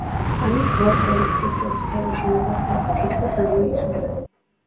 ამით ვორჰოლის ციფრულ სფეროში მოღვაწეობა თითქოს ამოიწურა.